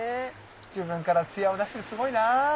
自分からツヤを出してすごいな。